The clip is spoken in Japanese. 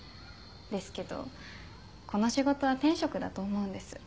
ですけどこの仕事は天職だと思うんです。